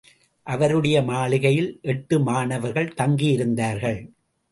அவருடைய மாளிகையில் எட்டு மாணவர்கள் தங்கியிருந்தார்கள்.